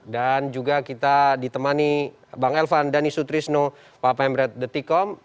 dan juga kita ditemani bang elvan dhani sutrisno pak pemret the t com